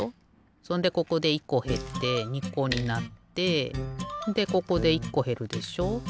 そんでここで１こへって２こになってでここで１こへるでしょ。